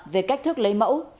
về cách thức lấy mẫu